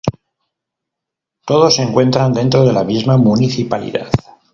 Todos se encuentran dentro de la misma municipalidad.